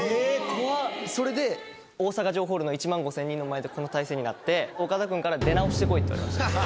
それで大阪城ホールの１万５０００人の前でこの体勢になって岡田くんから「出直してこい」って言われました。